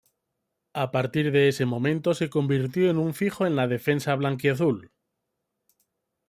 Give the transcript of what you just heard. A partir de ese momento se convirtió en un fijo en la defensa blanquiazul.